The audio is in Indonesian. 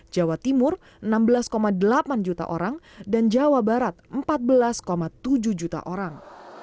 jawa timur enam belas delapan juta orang dan jawa barat empat belas tujuh juta orang